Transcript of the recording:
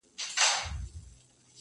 مُلا سړی سو، اوس پر لاره د آدم راغلی,